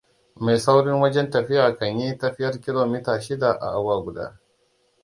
Me sauri wajen tafiya kan yi tafiyar kilomita shida a awa guda.